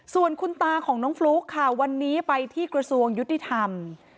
ส่วนคุณตาของน้องฟลุ๊กค่ะวันนี้ไปที่กระทรวงยุติธรรม